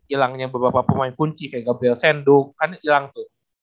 hilangnya beberapa pemain kunci kayak gabriel sendok kan hilang tuh